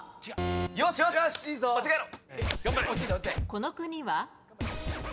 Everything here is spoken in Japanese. この国は？